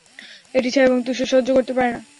এটি ছায়া এবং তুষার সহ্য করতে পারেনা।